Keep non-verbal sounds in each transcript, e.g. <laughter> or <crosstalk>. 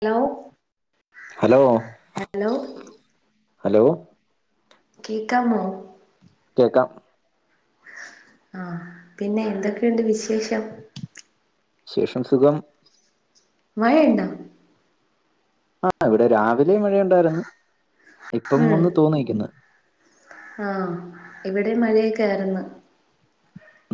Hello hello hello hello കേക്കാമോ കേക്കാം ആഹ് പിന്നെ എന്തൊക്കെയുണ്ട് വിശേഷം വിശേഷം സുഖം മഴയോണ്ടോ? ആഹ് ഇവടെ രാവിലെ മഴയൊണ്ടാരുന്ന് ഇപ്പം ഉം ഒന്ന് തോന്ന്നിക്കുന്നു ആഹ് ഇവിടെ മഴയൊക്കെ ആയിരുന്ന്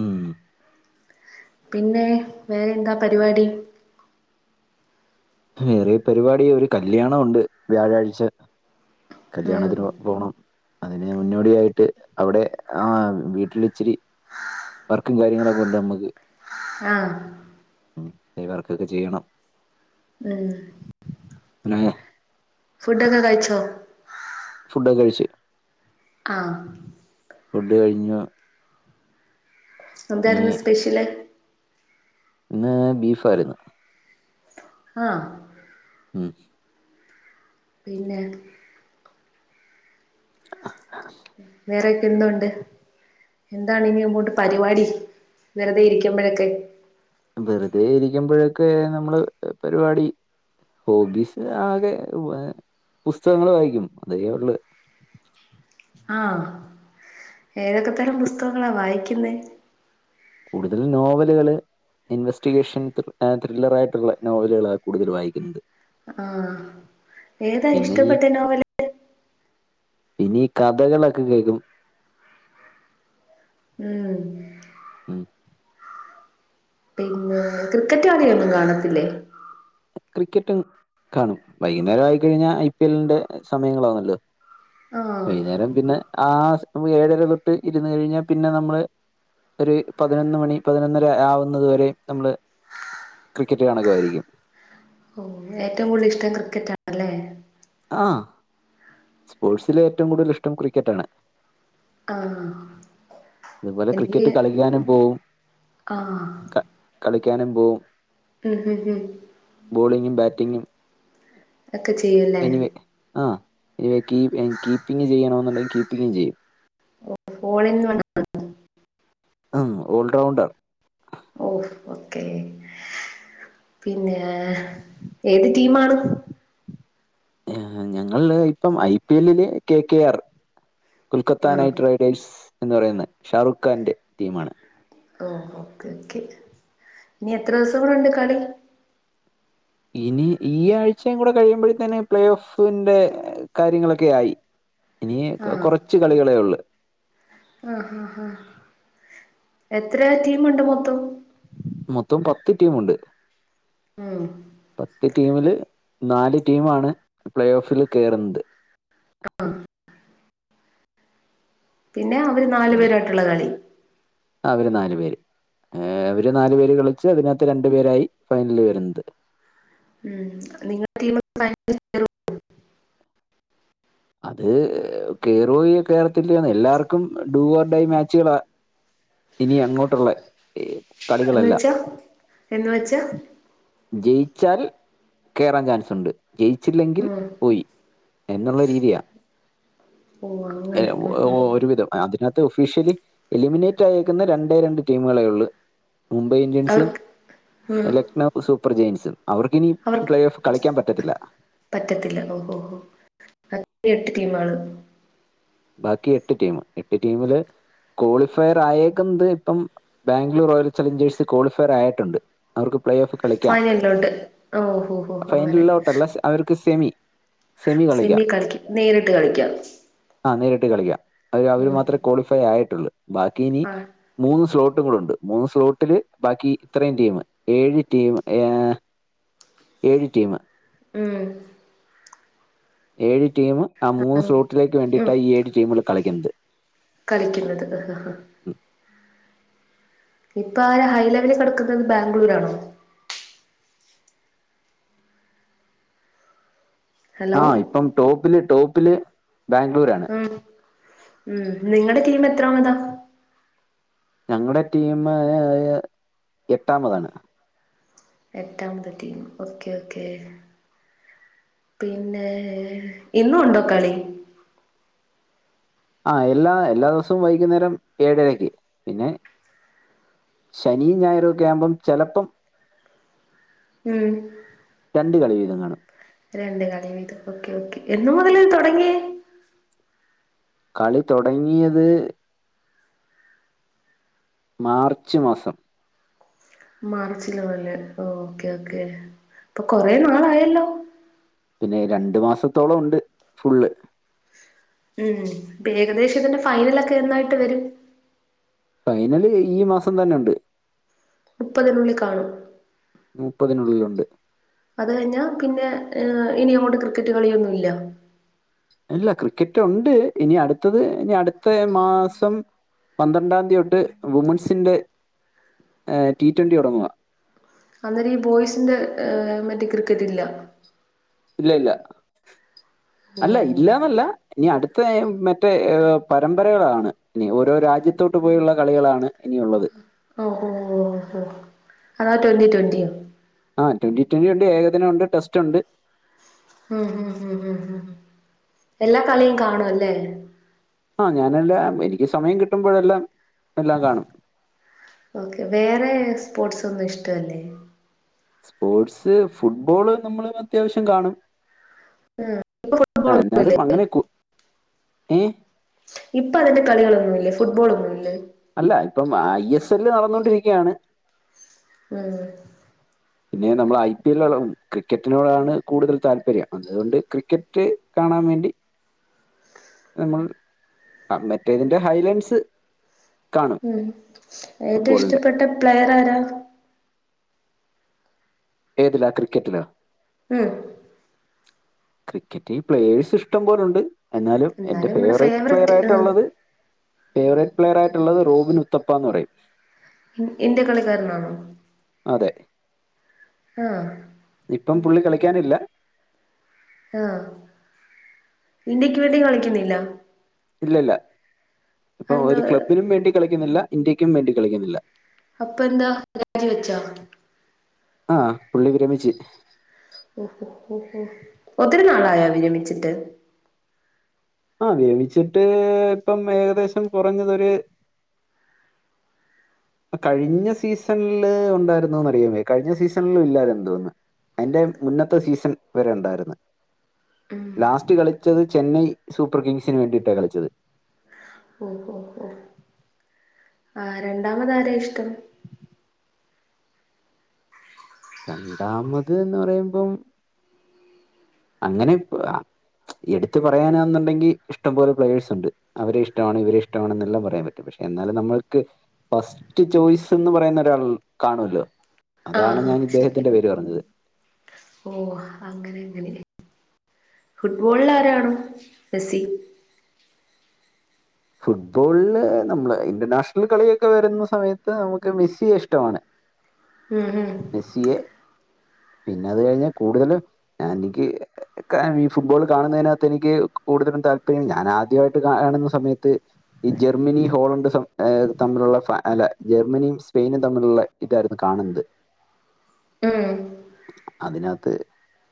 ഉം പിന്നെ വേറെ എന്താ പരിപാടി? വേറെ പരിപാടി ഒരു കല്യാണവോണ്ട് വ്യാഴാഴ്ച്ചാ ഉം കല്യാണത്തിന് പോണം അതിന് മുന്നോടിയായിട്ട് അവിടെ ആഹ് വീട്ടില് ഇച്ചിരി വർക്കും കാര്യങ്ങളൊക്കെ ഒണ്ട് അമ്മക്ക് ആഹ് വർക്കൊക്കെ ചെയ്യണം ഉം <unintelligible> ഫുഡോക്കെ കഴിച്ചോ ഫുഡൊക്കെ കഴിച്ചു. ആഹ് ഫുഡ്‌ കഴിഞ്ഞു നീ എന്താരുന്നു സ്പെഷ്യല് ഇന്ന് ബീഫ് ആരുന്നു. ആഹ് ഉം പിന്നെ വേറെക്കെ എന്തോണ്ട് എന്താണ് ഇനി അങ്ങോട്ട് പരിപാടി വെറുതെ ഇരിക്കുമ്പഴൊക്കെ വെറുതെ ഇരിക്കുമ്പോഴൊക്കെ നമ്മള് പരിപാടി ഹോബീസ് ആകെ പുസ്തകങ്ങള് വായിക്കും അതേ ഒള്ള് ആഹ് ഏതൊക്കെ തരം പുസ്തകങ്ങളാ വായിക്കുന്നേ കൂടുതലും നോവലുകള് ഇൻവെസ്റ്റിഗേഷൻ ത്രി ത്രില്ലറായിട്ടുള്ള നോവലുകളാ കൂടുതൽ വായിക്കുന്നത് ആഹ് ഏതാ പിന്നെ ഈ ഇഷ്ടപ്പെട്ട നോവല് ഇനി കഥകളൊക്കെ കേക്കും ഉം ഉം പിന്നെ ക്രിക്കറ്റ് കളിയൊന്നും കാണത്തില്ലേ? ക്രിക്കറ്റും കാണും. വൈകുന്നേരം ആയിക്കഴിഞ്ഞാൽ ഐ പി എല്ലി ന്റെ സമയങ്ങളാണല്ലോ? ആഹ്. വൈകുന്നേരം പിന്നെ ആ ഏഴര തൊട്ട് ഇരുന്ന് കഴിഞ്ഞാൽ പിന്നെ നമ്മള് ഒരു പതിനൊന്ന് മണി പതിനൊന്നര ആവുന്നതു വരെ നമ്മള് ക്രിക്കറ്റ് കാണലുവായിരിക്കും. ഏറ്റവും കൂടുതൽ ഇഷ്ടം ക്രിക്കറ്റാ അല്ലേ? ആഹ്. സ്പോർട്സില് ഏറ്റവും കൂടുതൽ ഇഷ്ടം ക്രിക്കറ്റാണ്. ആഹ്. അതുപോലെ എനിക്ക് ക്രിക്കറ്റ് കളിക്കാനും പോവും. ആഹ്. കളിക്കാനും പോവും. ഉം ഉം ഉം. ബോളിങ്ങും ബാറ്റിങ്ങും. ഒക്കെ ചെയ്യുംല്ലേ എനിവേ ആഹ് ഏഹ് കീ എൻ കീപ്പിംഗ് ചെയ്യണെന്നുണ്ടെങ്കിൽ കീപ്പിംഗും ചെയ്യും. ഓളിൻ വണ്ണ അഹ് ഓൾറൗണ്ടർ. ഓഹ് ഓക്കേ. പിന്നേ, ഏത് ടീമാണ്? ഏഹ് ഞങ്ങള്ല് ഇപ്പം, ഐ പി എല്ലി ല് കെ കെ ആർ. കൊൽക്കത്താ ആഹ് നൈറ്റ് റൈഡ് ഡ്സ് എന്ന് പറയുന്ന ഷാറൂഖ് ഖാന്റെ ടീമാണ്. ഓ ഓക്കേ ഓക്കേ. ഇനി എത്രൂസം കൂടെ ഉണ്ട് കളി? ഇനി ഈ ആഴ്ചയും കൂടെ കഴിയുമ്പഴത്തേനെ പ്ലേ ഓഫിന്റെ കാര്യങ്ങളൊക്കെ ആയി. ഇനി ആഹ് കൊറച്ച് കളികളെ ഒള്ള്. അഹ് ആഹ്. എത്ര ടീമുണ്ട് മൊത്തം? മൊത്തം പത്ത് ടീമുണ്ട്. ഉം. പത്ത് ടീമില് നാല് ടീമാണ് പ്ലേ ഓഫില് കേറുന്നത്. പിന്നെ അവര് നാല് ഉം. പേരു ആയിട്ടുള്ള കളി. അവര് നാല് പേരും. അവര് നാലു പേര് കളിച്ച് അതിനകത്ത് രണ്ടു പേരായി ഫൈനലിൽ വരുന്നത്. ഉം നിങ്ങ <inaudible> അത് കേറ്വോ കേറത്തില്ലേന്ന്, എല്ലാർക്കും ഡൂ ഓർ ഡൈ മാച്ചുകളാ ഇനിയങ്ങോട്ടുള്ളെ. ഏഹ്. എന്ന് വെച്ചാ എന്ന് വെച്ചാ? ജയിച്ചാൽ കേറാൻ ചാൻസുണ്ട്. ജയിച്ചില്ലെങ്കിൽ ഉം പോയി. എന്നുള്ള രീ തിയാ. ഓ എൽ അങ്ങനെ ഉം ഉം ഒരുവിധം. അതിനകത്ത് ഒഫീഷ്യലി എലിമിനേറ്റ് ആയേക്കുന്നെ രണ്ടേ രണ്ട് ടീമുകളെ ഒള്ളു. മുംബൈ ഇന്ത്യൻസും അവർക്ക് ഉം എല്ല ന്നൊഫ് സൂപ്പർ ജെയിംസു. അവർക്കിനി അവർക്ക് പ്ലേ ഓഫ് കളിക്കാൻ പറ്റത്തില്ല. പറ്റത്തില്ല ഓഹോ ഹോ. അത് എട്ട് ടീമാണ്. ബാക്കി എട്ട് ടീമ്. എട്ട് ടീമില് ക്വാളിഫയർ ആയേക്ക്ന്നത് ഇപ്പം ബാംഗ്ലൂർ റോയൽ ചലഞ്ചേഴ്സ് ക്വാളിഫയർ ആയിട്ടുണ്ട്. അവർക്ക് പ്ലേ ഓഫ് കളിക്കാം ഫൈനലിലുണ്ട് ഓഹോ ഹോ അങ്ങനെ ഫൈനലിലോട്ടല്ല സെ- അവർക്ക് സെമി സെമി കളിക്ക നേരിട്ട് കളിക്കാം ആ നേരിട്ട് കളിക്കാം അൽ അവര് ഉം മാത്രമേ ക്വാളിഫൈ ആയിട്ടുള്ളൂ ബാക്കിനി ആഹ് മൂന്ന് സ്ലോട്ടുകളുണ്ട് മൂന്ന് സ്ലോട്ടില് ബാക്കി ഇത്രയും ടീം ഏഴ് ടീമ് ഏ ഏഴ് ടീമ് ഉം ഏഴ് ടീമും ആ മൂന്ന് ആഹ് സ്ലോട്ടിലേക്ക് ഉം വേണ്ടിട്ടാ ഈ ഏഴ് ടീമുകള് കളിക്കുന്നത് കളിക്കുന്നത് ഹ് ഹ് ഉം. ഇപ്പൊ ആര ഹൈ ലെവല് കെടക്കുന്നത് ബാംഗ്ലൂരാ ആണോ ഹലോ ആ ഇപ്പം ടോപ്പില് ടോപ്പില് ബാംഗ്ലൂരാണ് ഉം ഉം നിങ്ങടെ ടീമ് എത്രാമതാ ഞങ്ങടെ ടീമ് എട്ടാമതാണ് എട്ടാമത്തെ ടീം ഓക്കേ ഓക്കേ പിന്നെ ഇന്നു ഉണ്ടോ കളി ആ എല്ലാ എല്ലാ ദിസോം വൈകുന്നേരം ഏഴരക്ക് പിന്നെ ശനിം ഞായറും ഒക്കെ ആകുമ്പം ചിലപ്പം ഉം രണ്ട് കളി വീതം കാണും രണ്ട് കളി വീതം ഓക്കെ ഓക്കേ എന്ന് മുതൽ ഉം. തുടങ്ങിയേ കളി തൊടങ്ങിയത് മാർച്ച് മാസം മാർച്ചിലോലെ ഓക്കേ ഓക്കേ ഇപ്പൊ കൊറെ നാളായല്ലോ പിന്നെ രണ്ടു മാസത്തോളം ഉണ്ട് ഫുള്ള് മ്മ് ഏകദേശം ഇതിന്റെ ഫൈനലൊക്കെ എന്നായിട്ട് വരും ഫൈനല് ഈ മാസം തന്നെ ഉണ്ട് മുപ്പതിനുള്ളിൽ കാണും മുപ്പതിനുള്ളിലുണ്ട് അത് കഴിഞ്ഞാൽ പിന്നെ ഇനി അങ്ങോട്ട്‌ ക്രിക്കറ്റ് കളിയൊന്നുല്ല ഇല്ല ക്രിക്കറ്റ് ഉണ്ട് ഇനി അടുത്തത് ഇനി അടുത്ത മാസം പന്ത്രണ്ടാം ന്തി തോട്ട് വുമൻസിന്റെ ടി ട്വന്റി തുടങ്ങുക അന്നേരം ഈ ബോയ്സിന്റെ മറ്റേ ക്രിക്കറ്റ്ല്ല ഇല്ല ഇല്ല ഓ അല്ല ഇല്ലാന്നല്ല ഇനി അടുത്തെ മറ്റേ പരമ്പരകളാണ് ഇനി ഓരോ രാജ്യത്തോട്ട് പോയുള്ള കളികളാണ് ഇനിയുള്ളത് ഓഹോ അതാ ട്വന്റി ട്വന്റിയോ ആഹ ട്വന്റി ട്വറി ഉണ്ട് ഏകദിന ഉണ്ട് ടെസ്റ്റ് ഉണ്ട് മ്മ് മ്മ് മ്മ് എല്ലാ കളിയും കാണല്ലേ ആ ഞാനെല്ലാം എനിക്ക് സമയം കിട്ടുമ്പോഴെല്ലാം എല്ലാം കാണും ഓക്കെ വേറെ സ്പോർട്സ് ഒന്നും ഇഷ്ടമല്ലേ സ്പോർട്സ് ഫുട്ബോള് നമ്മളും അത്യാവശ്യം കാണും ആ ഇപ്പൊ ആ <unintelligible> ലെ എന്നാലും അങ്ങനെ കു ഏ ഇപ്പൊ അതിന്റെ കളികളൊന്നു ഇല്ലേ ഫുട്ബോൾ ഒന്നുല്ലേ അല്ല ഇപ്പം ഐ എസ് എല് നടന്നുകൊണ്ടിരിക്കുകയാണ് ഉം പിന്നെ നമ്മൾ ഐ പി എല്ലോ ക്രിക്കറ്റിനോടാണ് കൂടുതൽ താല്പര്യം അതുകൊണ്ട് ക്രിക്കറ്റ് കാണാൻ വേണ്ടി <inaudible> നമ്മൾ മറ്റേ ഇതിന്റെ ഹൈലൻസ് ഉം ഏറ്റവും ഫുട്ബോളിന്റെ ഇഷ്ടപ്പെട്ട പ്ലെയർ ആരാ ഏതിലാ ക്രിക്കറ്റിലോ ഉം ക്രിക്കറ്റ് ഈ പ്ലേയേഴ്സ് ഇഷ്ടം പോലെണ്ട് എന്നാലും എന്റെ ഫേവററ്റ് പ്ലെയയർ ആയിട്ടുള്ളത് ഫേവറേറ്റ് പ്ലെയർ ആയിട്ടുള്ളത് റോബിൻ ഉത്തപ്പ എന്ന് പറയും ഇന്ത്യ കളിക്കാരനാണോ അതെ ആഹ് ഇപ്പം പുള്ളി കളിക്കാനില്ല ആഹ് ഇന്ത്യക്ക് വേണ്ടി കളിക്കുന്നില്ല ഇല്ല ഇല്ല ഇപ്പൊ അതെന്താ ഒരു ക്ലബ്ബിനും വേണ്ടി കളിക്കുന്നില്ല ഇന്ത്യക്കും വേണ്ടി കളിക്കുന്നില്ല അപ്പൊ എന്താ രാജിവെച്ചോ ആ പുള്ളി വിരമിച്ച് ഓഹോ ഓഹോ ഒത്തിരു നാളായോ വിരമിച്ചിട്ട് ആ വിരമിച്ചിട്ട് ഇപ്പം ഏകദേശം കുറഞ്ഞതരു കഴിഞ്ഞ സീസണില് ഉണ്ടായിരുന്നന്ന് അറിയവേ കഴിഞ്ഞ സീസണിലും ഇല്ലാ എന്തോന്നുന്നു അതിന്റെ മുന്നത്തെ സീസൺ വരെ ഉണ്ടായിരുന്നു ലാസ്റ്റ് കളിച്ചത് ചെന്നൈ സൂപ്പർ കിങ്സിന് വേണ്ടിയിട്ടാണ് കളിച്ചത് <unintelligible> ആഹ് രണ്ടാമത് ആരെ ഇഷ്ട്ടം രണ്ടാമത് എന്ന് പറയുമ്പം അങ്ങനെപ്പോ എടുത്ത് പറയാനാന്നുണ്ടെങ്കി ഇഷ്ടംപോലെ പ്ലേയേഴ്സ് ഉണ്ട് അവരെ ഇഷ്ടമാണ് ഇവരെ ഇഷ്ടമാണെന്നെല്ലാം പറയാൻ പറ്റും പക്ഷെ എന്നാലും നമ്മൾക്ക് ഫസ്റ്റ് ചോയ്സ് എന്ന് പറയുന്ന ഒരാൾ കാണുമല്ലോ ആഹ് അതാണ് ആഹ് ഞാൻ ശരി ഇദ്ദേഹത്തിന്റെ പേര് പറഞ്ഞത് ഓ അങ്ങനെ എങ്ങനെയ ഫുട്ബോളിൽ ആരാണ് മെസ്സി ഫുട്ബോളില് നമ്മള് ഇന്റർനാഷണൽ കളിയൊക്കെ വരുന്ന സമയത്ത് നമുക്ക് മെസ്സിയെ ഇഷ്ട്ടമാണ് ഉം ഉം മെസ്സിയെ പിന്നെ അത് കഴിഞ്ഞാൽ കൂടുതലും എനിക്ക് ഈ ഫുട്ബോൾ കാണുന്നതിനകത്ത് എനിക്ക് കൂടുതലും താല്പര്യം ഞാൻ ആദ്യമായിട്ട് കാണുന്ന സമയത്ത് ത്ത് ഈ ജർമ്മനി ഹോളണ്ട് തമ്മിലുള്ള അല്ല ജർമ്മനിയും സ്പെയിനും തമ്മിലുള്ള ഇതായിരുന്നു കാണുന്നത് ഉം അതിനകത്ത്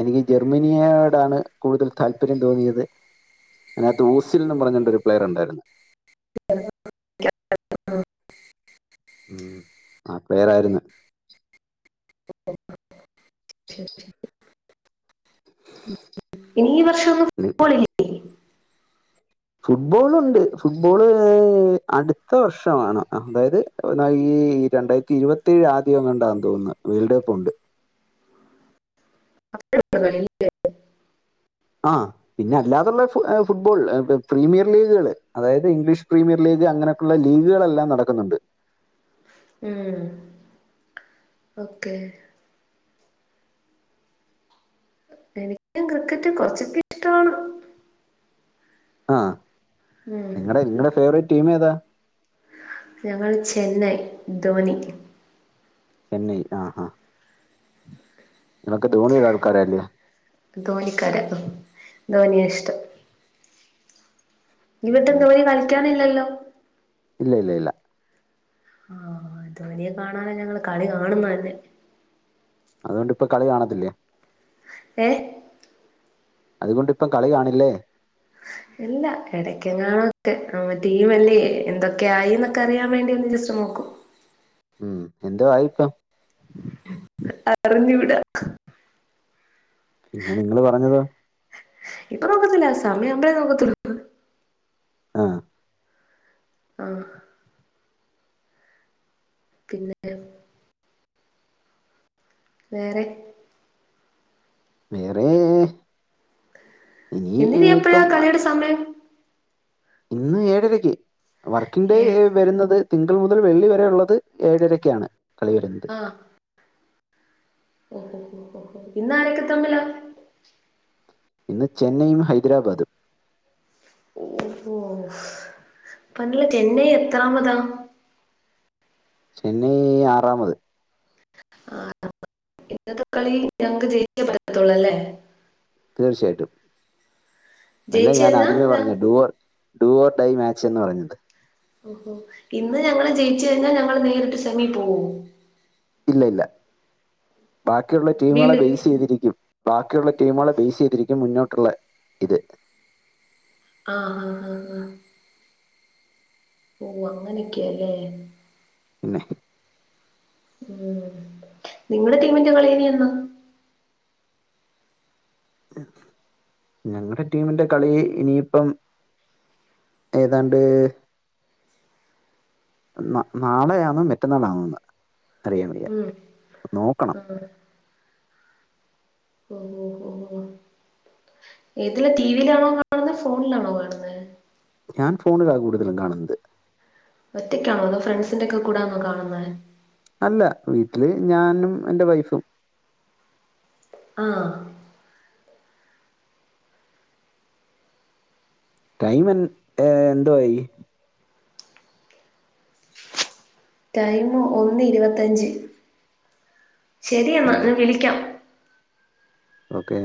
എനിക്ക് ജർമ്മനിയോടാണ് കൂടുതൽ താല്പര്യം തോന്നിയത് അതിനകത്ത് ഊസിൽന്ന് പറഞ്ഞണ്ടെരു പ്ലെയർ ഉണ്ടായിരുന്നു ഉം ആ പേരായിരുന്നു ശരി. ഇനി ഈ വർഷം ഒന്നും ഉം <unintelligible> ഫുട്ബോൾ ഉണ്ട് ഫുട്ബോള് അടുത്ത വർഷമാണ് അതായത് എന്നാൽ ഈ ഈ രണ്ടായിരത്തി ഇരുപത്തി ഏയ് ആദ്യം അങ്ങണ്ടാന്ന് തോന്നുന്നത് വേൾഡ് കപ്പ് ഉണ്ട് <unintelligible> ആഹ് പിന്നെ അല്ലാതുള്ള ഫുട്ബോൾ പ്രീമിയർ ലീഗുകൾ അതായത് ഇംഗ്ലീഷ് പ്രീമിയർ ലീഗ് അങ്ങനെ ള്ള ലീഗുകളെല്ലാം നടക്കുന്നുണ്ട് ഉം ഓക്കെ കുറച്ചക്ക ഇഷ്ടമാണ് ആഹ് ഉം നിങ്ങടെ നിങ്ങടെ ഫേവററ്റ് ടീം ഏതാ ഞങ്ങൾ ചെന്നൈ ധോനി ചെന്നൈ ആഹ് ആഹ് നിങ്ങള് ധോണിയുടെ ആൾക്കാര് അല്ലേ ധോണിക്കാര ധോണിയ ഇഷ്ടം ഈ വട്ടം ഉം. ധോനി കളിക്കാനില്ലല്ലോ ഇല്ല ഇല്ല ഇല്ല ആഹ് ധോനിയെ കാണാന് ഞങ്ങള് കളി കാണുന്നത് തന്നെ അതുകൊണ്ട് ഇപ്പൊ കളി കാണത്തില്ലേ ഏഹ് അതുകൊണ്ട് ഇപ്പം കളി കാണില്ലേ ഇല്ല ഇടക്കെങ്ങാണക്കെ നമ്മുടെ ടീമ്മ് അല്ലേ എന്തൊക്കെ ആയിന്ന് അറിയാൻ വണ്ടി ഒന്ന് ജസ്റ്റ് നോക്കും ഉം എന്തോ ആയി ഇപ്പം അറിഞ്ഞുകൂടാ പിന്നെ നിങ്ങള് പറഞ്ഞതോ ഇപ്പൊ നോക്കത്തില്ല സമയംആകുമ്പഴേ നോക്കത്തോള്ളു ആഹ് ആഹ് പിന്നെ വേറെ വേറെ ഇനി എന്ന്നി എപ്പോഴാ ഇപ്പം കളിയുടെ സമയം ഇന്ന് ഏഴരക്ക് വർക്കിംഗ് ഡേ ഏഹ് വരുന്നത് തിങ്കൾ മുതൽ വെള്ളി വരെ ഉള്ളത് ഏഴരയ്ക്കാണ് കളി വരുന്നേ ആഹ് ഇന്നാരൊക്കെ തമ്മിലാ ഇന്ന് ചെന്നൈയും ഹൈദരാബാദും ഓഹ് ഇപ്പോ ചെന്നൈ എത്രാമതാ ചെന്നൈ ആറാമത് ആഹ് ഇന്നത്തെ കളി ഞങ്ങക്ക് ജയിച്ച പറ്റത്തുള്ളൂ അല്ലേ തീർച്ചയായിട്ടും അതല്ലേ ജയിച്ച് ഞാൻ കഴിഞ്ഞാ ആദ്യമേ ഞ പറഞ്ഞ do or- do or die match എന്ന് പറഞ്ഞത് ഇന്ന് ഞങ്ങള് ജയിച്ചു കഴിഞ്ഞാൽ ഞങ്ങള് നേരിട്ട് സെമി പോകോ ഇല്ല ഇല്ല ബാക്കിയുള്ള ടീമുകളെ വീണ്ടും ബേസ് ചെയ്തിരിക്കും ബാക്കിയുള്ള ടീമുകളെ ബേസ് ചെയ്തിരിക്കും മുന്നോട്ടുള്ള ഇത് ആഹ് ആഹ് ആഹ ആഹ് ഓഹ് അങ്ങനൊക്കെയാല്ലേ പിന്നെ ഉ നിങ്ങടെ ടീമിൻറെ കളിയിനിയെന്നാ ഞങ്ങളുടെ ടീമിന്റെ കളി ഇനിയിപ്പം ഏതാണ്ട് നാളെയാണോ മറ്റന്നാളാണോ അറിയാൻ വയ്യ ഉം നോക്കണം ആഹ് ഓ ഏതില ടിവിയിലാണോ കാണുന്നത് ഫോണിലാണോ കാണുന്നത് ഞാൻ ഫോണിലാണ് കൂടുതലും കാണുന്നത് ഒറ്റയ്ക്കാണോ അതോ ഫ്രണ്ട്സിന്റെ ഒക്കെ കൂടെ ആണോ കാണുന്നത് അല്ല വീട്ടില് ഞാനും എന്റെ വൈഫും ആഹ് ടൈം എ എന്തുവായി ടൈമ് ഒന്ന് ഇരുപത്തഞ്ച് ശരിയെന്നാൽ ഞാൻ വിളിക്കാം ഓക്കേ